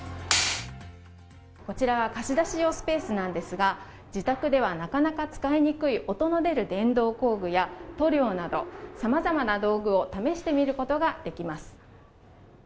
こちらは貸し出し用スペースなんですが自宅ではなかなか使いにくい音の出る電動工具や塗料など、さまざまな道具を試してみることができます。